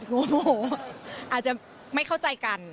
โหอาจอาจะไม่เข้าใจกัน